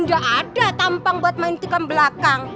gak ada tampang buat main nikam belakang